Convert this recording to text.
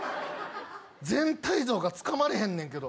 全体像がつかまれへんねんけど。